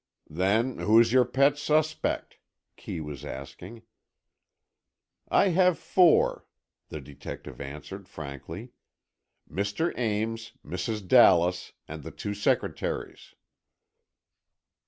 "Then, who's your pet suspect?" Kee was asking. "I have four," the detective answered, frankly. "Mr. Ames, Mrs. Dallas and the two secretaries."